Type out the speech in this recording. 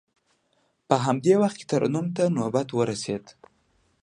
په همدې وخت کې ترنم ته نوبت ورسید.